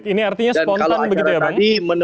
ini artinya spontan begitu ya bang